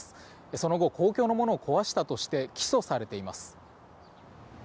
その後、公共のものを壊したとして起訴されています。